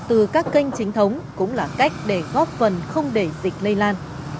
từ các kênh chính thống cũng là cách để góp phần không để dịch lây lan